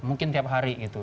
mungkin tiap hari gitu